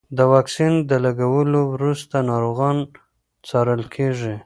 د واکسین د لګولو وروسته ناروغان څارل کېږي.